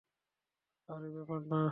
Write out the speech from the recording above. আরে, ব্যাপার না।